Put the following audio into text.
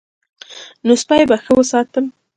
نو سپی به څه ښه وساتم.